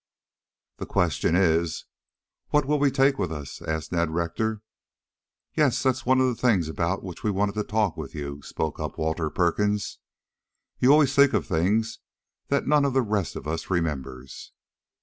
"The question is, what'll we take with us?" asked Ned Rector. "Yes, that's one of the things about which we wanted to talk with you," spoke up Walter Perkins. "You always think of things that none of the rest of us remembers."